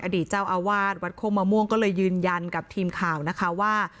อดีตเจ้าอาวาสวัดโคกมะม่วงก็เลยยืนยันกับทีมข่าวนะคะว่า